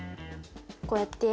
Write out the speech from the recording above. こうやって。